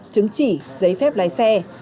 chứng chỉ giấy phép lái xe